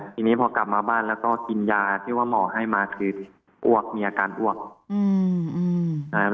ทีนี้พอกลับมาบ้านแล้วก็กินยาที่ว่าหมอให้มาคืออ้วกมีอาการอ้วก